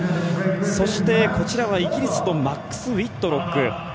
そして、こちらはイギリスのマックス・ウィットロック。